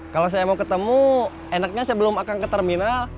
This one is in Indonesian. kalau saya mau ketemu enaknya sebelum akan ke terminal